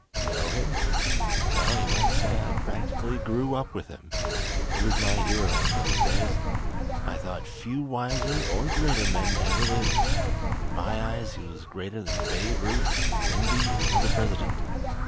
Know him? Well you might say I practically grew up with him. He was my hero in those days. I thought few wiser or greater men ever lived. In my eyes he was greater than Babe Ruth, Lindy, or the President.